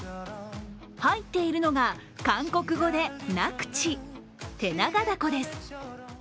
入っているのが韓国語でナクチ、テナガダコです。